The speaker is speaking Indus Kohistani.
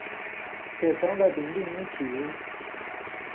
تے څؤں گائ بجلی نی تھی یی؟